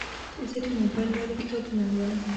زه د موبایل له لارې کتابونه لولم.